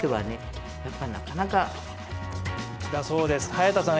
早田さん